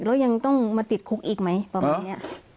แล้วยังต้องมาติดคุกอีกไหมประมาณนี้